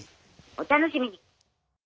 お楽しみに。